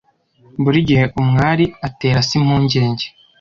Buri gihe umwari atera se impungenge,